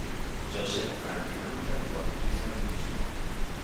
Joseph Franklin Rutherford hizo lo mismo.